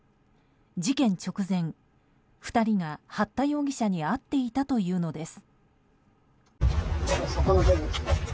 事件直前、２人が八田容疑者に会っていたというのです。